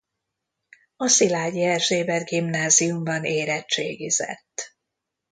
A Szilágyi Erzsébet Gimnáziumban érettségizett.